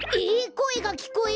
こえがきこえる。